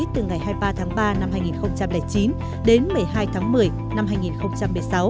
từ ngày hai mươi ba tháng ba năm hai nghìn chín đến một mươi hai tháng một mươi năm hai nghìn một mươi sáu